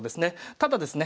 ただですね